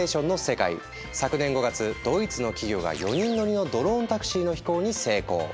昨年５月ドイツの企業が４人乗りのドローンタクシーの飛行に成功。